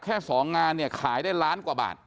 แค่๒งานเนี่ยขายได้ล้านกว่าบาท